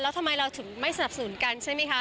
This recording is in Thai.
แล้วทำไมเราถึงไม่สนับสนุนกันใช่ไหมคะ